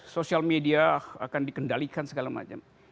sosial media akan dikendalikan segala macam